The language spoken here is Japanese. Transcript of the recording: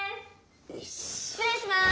・失礼しまーす。